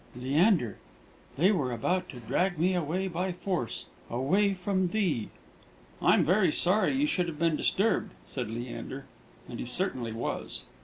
Leander, they were about to drag me away by force away from thee!" "I'm very sorry you should have been disturbed," said Leander; and he certainly was.